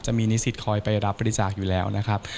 นิสิตคอยไปรับบริจาคอยู่แล้วนะครับ